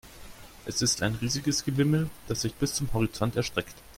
Es ist ein riesiges Gewimmel, das sich bis zum Horizont erstreckt.